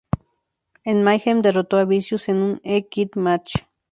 En Mayhem derrotó a Vicious en un "I Quit" match.